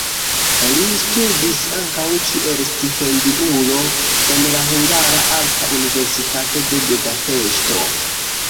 Li studis ankaŭ kiel stipendiulo en la Hungara Arta Universitato de Budapeŝto.